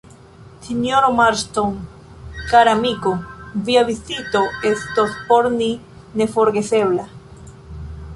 Sinjoro Marston, kara amiko, via vizito estos por ni neforgesebla.